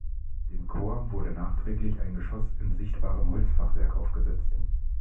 Dem Chor wurde nachträglich ein Geschoss in sichtbarem Holzfachwerk aufgesetzt.